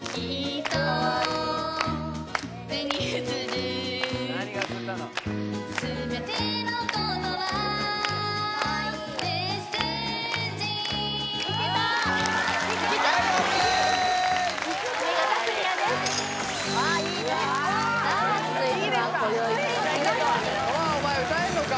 斗亜お前歌えんのか？